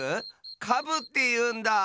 カブっていうんだ！